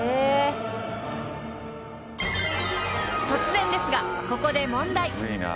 ［突然ですがここで問題］